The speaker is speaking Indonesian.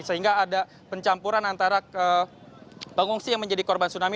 sehingga ada pencampuran antara pengungsi yang menjadi korban tsunami